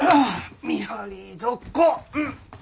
見張り続行！